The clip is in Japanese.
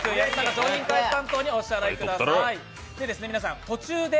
商品開発担当にお支払いください。